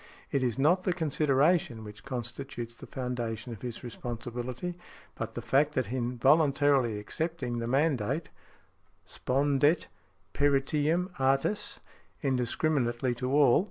It is not the consideration which constitutes the foundation of his responsibility, but the fact that in voluntarily accepting the mandate, spondet peritiam artis, indiscriminately to all.